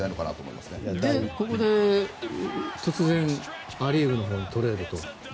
ここで突然ア・リーグのほうにトレードと。